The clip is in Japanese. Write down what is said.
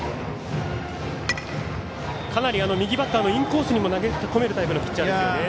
かなり右バッターのインコースに投げ込めるピッチャーですよね。